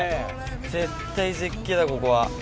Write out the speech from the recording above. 絶対絶景だここは。